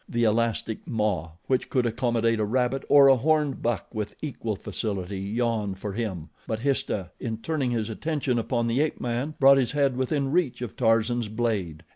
The elastic maw, which could accommodate a rabbit or a horned buck with equal facility, yawned for him; but Histah, in turning his attention upon the ape man, brought his head within reach of Tarzan's blade.